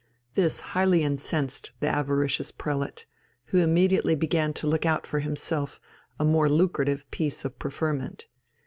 This highly incensed the avaricious prelate, who immediately began to look out for himself a more lucrative piece of preferment.